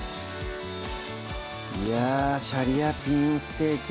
いや「シャリアピンステーキ」